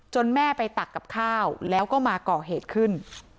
แม่ไปตักกับข้าวแล้วก็มาก่อเหตุขึ้น